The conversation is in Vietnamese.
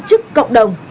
trước cộng đồng